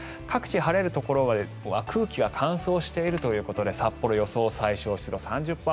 各地晴れるところは空気が乾燥しているということで札幌、予想最小湿度３０％